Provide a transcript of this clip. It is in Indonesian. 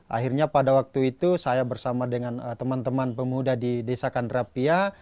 akhirnya pada waktu itu saya bersama dengan teman teman pemuda di desa kandrapia